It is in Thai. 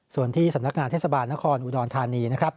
ส่วนที่สำนักงานเทศบาลนครอุดรธานีนะครับ